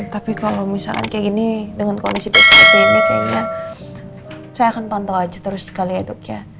tapi kalau misalkan kayak gini dengan kondisi psbb ini kayaknya saya akan pantau aja terus sekali ya dok ya